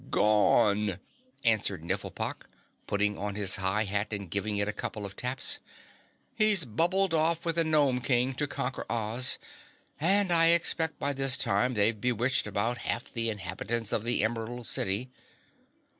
"Gone!" answer Nifflepok, putting on his high hat and giving it a couple of taps. "He's bubbled off with the Gnome King to conquer Oz, and I expect by this time they've bewitched about half the inhabitants of the Emerald City."